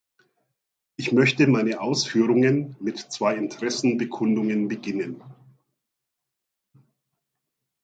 Ich möchte meine Ausführungen mit zwei Interessenbekundungen beginnen.